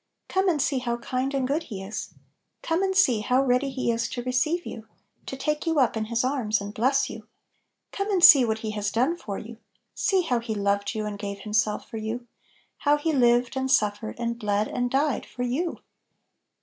Come and see how kind and good He is 1 Come and see how ready He is to receive you, to take you up in His arms and bless you. Come and see what He has done for you; see how He loved you and gave Himself for you; how He lived, and suffered, and bled, and died for you!